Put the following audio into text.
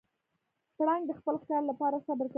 پړانګ د خپل ښکار لپاره صبر کوي.